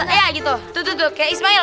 iya gitu tuh tuh tuh kayak ismail